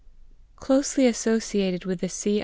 Closely associated with the C.